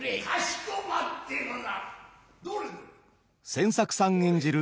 千作さん演じる